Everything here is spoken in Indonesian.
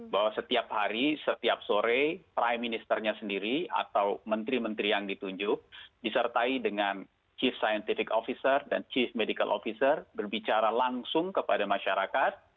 bahwa setiap hari setiap sore prime ministernya sendiri atau menteri menteri yang ditunjuk disertai dengan chief scientific officer dan chief medical officer berbicara langsung kepada masyarakat